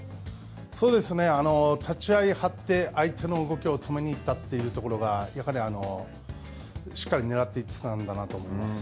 立ち合いで張って相手の動きを止めに行ったというところが、やはり、しっかりねらっていったんだなと思います。